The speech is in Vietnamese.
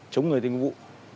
chống người tình vụ